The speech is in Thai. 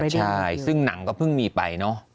ใช่ซึ่งหนังก็เพิ่งมีไปเนอะ